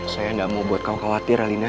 saya gak mau buat kamu khawatir alina